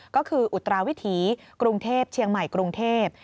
ก็คืออุตราวิถีกรุงเทพเชียงใหม่กรุงเทพ